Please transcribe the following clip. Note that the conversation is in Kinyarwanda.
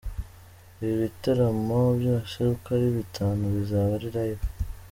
Ibi bitaramo byose uko ari bitanu bizaba ari Live.